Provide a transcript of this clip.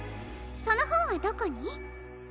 そのほんはどこに？